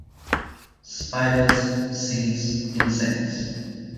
Spiders, seeds, insects.